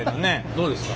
どうですか？